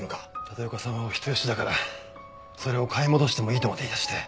立岡さんはお人よしだからそれを買い戻してもいいとまで言い出して。